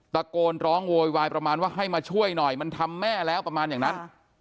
ตะโกนร้องโวยวายประมาณว่าให้มาช่วยหน่อยมันทำแม่แล้วประมาณอย่างนั้น